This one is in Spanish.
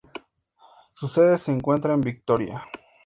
Su sede se encuentra en Vitoria.